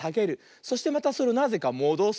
そしてまたそれをなぜかもどす。